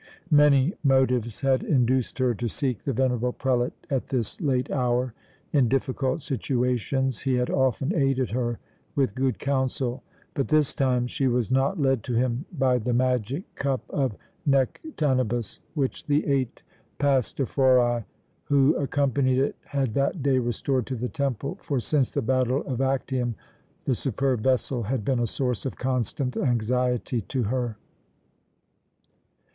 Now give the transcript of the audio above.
Many motives had induced her to seek the venerable prelate at this late hour. In difficult situations he had often aided her with good counsel; but this time she was not led to him by the magic cup of Nektanebus, which the eight pastophori who accompanied it had that day restored to the temple, for since the battle of Actium the superb vessel had been a source of constant anxiety to her.